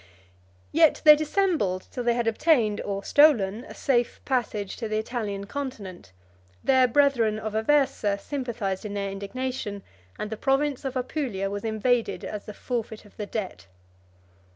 Yet they dissembled till they had obtained, or stolen, a safe passage to the Italian continent: their brethren of Aversa sympathized in their indignation, and the province of Apulia was invaded as the forfeit of the debt.